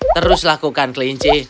terus lakukan klinci